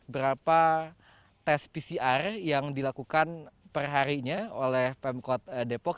berapa tes pcr yang dilakukan perharinya oleh pemkot depok